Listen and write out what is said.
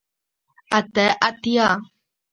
اته اتیا